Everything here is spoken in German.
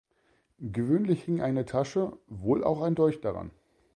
Gewöhnlich hing eine Tasche, wohl auch ein Dolch daran.